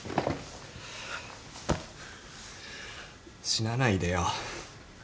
死なないでよ。